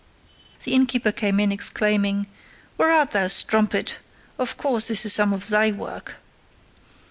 The innkeeper came in exclaiming, "Where art thou, strumpet? Of course this is some of thy work."